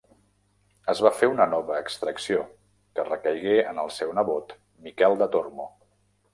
Es va fer una nova extracció que recaigué en el seu nebot Miquel de Tormo.